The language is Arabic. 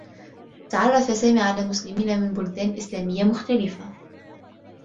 تعرّف سامي على مسلمين من بلدان إسلاميّة مختلفة.